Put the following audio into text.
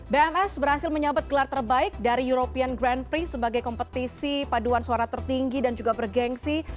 bms berhasil menyabet gelar terbaik dari european grand prix sebagai kompetisi paduan suara tertinggi dan juga bergensi